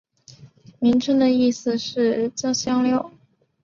名称的意思是将香料。